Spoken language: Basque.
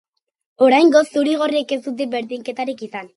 Oraingoz, zuri-gorriek ez dute berdinketarik izan.